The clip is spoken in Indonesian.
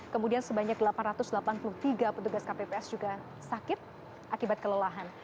kemudian sebanyak delapan ratus delapan puluh tiga petugas kpps juga sakit akibat kelelahan